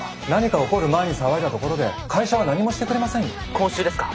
今週ですか？